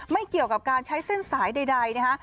ไม่เกี่ยวกับการใช้เส้นสายใดนะฮะ